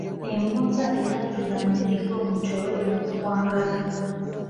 Envunza ekaddiyira mu mubiri gw’omuntu eweebwa ekikwangala.